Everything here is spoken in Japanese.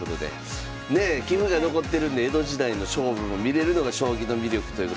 棋譜が残ってるんで江戸時代の勝負も見れるのが将棋の魅力ということで。